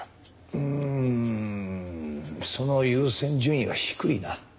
うんその優先順位は低いな。